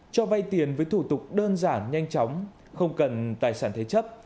cho vay tiền với thủ tục đơn giản nhanh chóng không cần tài sản thế chấp